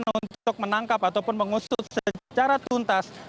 untuk menangkap ataupun mengusut secara tuntas